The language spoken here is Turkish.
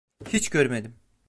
Hiç görmedim.